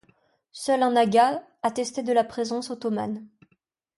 Seul un aga attestait de la présence ottomane.